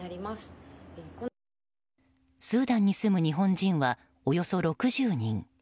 スーダンに住む日本人はおよそ６０人。